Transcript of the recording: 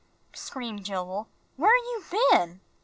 screamed Joel, "where've you been?"